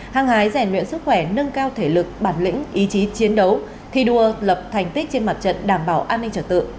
hăng hái rèn luyện sức khỏe nâng cao thể lực bản lĩnh ý chí chiến đấu thi đua lập thành tích trên mặt trận đảm bảo an ninh trật tự